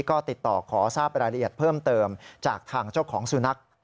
ก็ติดต่อขอทราบรายละเอียดเพิ่มเติมจากทางเจ้าของสุนัข